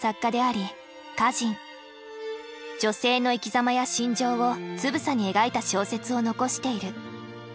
女性の生きざまや心情をつぶさに描いた小説を残している。